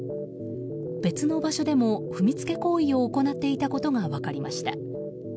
別の場所でも、踏みつけ行為を行っていたことが分かりました。